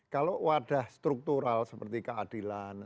kalau wadah struktural seperti keadilan